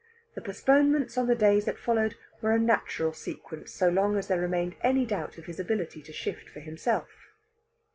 The postponements on the days that followed were a natural sequence so long as there remained any doubt of his ability to shift for himself.